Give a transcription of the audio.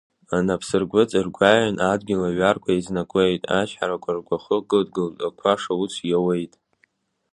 Анапсыргәыҵа ргәаҩан, адгьыл аҩарқәа еизнакуеит, ачҳарақәа ргәахы кыдгылт, ақәа шауц иауеит…